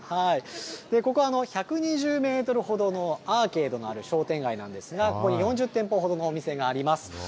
ここ、１２０メートルほどのアーケードのある商店街なんですが、ここに４０店舗ほどのお店があります。